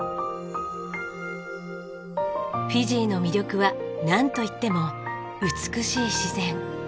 フィジーの魅力はなんといっても美しい自然。